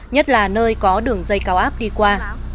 nhất là nơi có đường dây cao áp đi qua